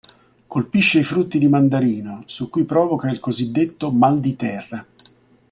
Colpisce i frutti di mandarino, su cui provoca il cosiddetto "mal di terra".